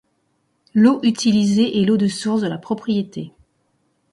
L'eau utilisée est l'eau de source de la propriété.